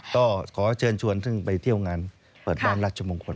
ก็ขอเชิญชวนซึ่งไปเที่ยวงานเปิดบ้านราชมงคล